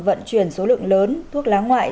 vận chuyển số lượng lớn thuốc lá ngoại